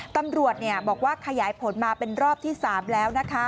ตำรวจบอกว่าขยายผลมาเป็นรอบที่๓แล้วนะคะ